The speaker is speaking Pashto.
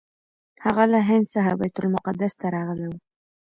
هغه له هند څخه بیت المقدس ته راغلی و.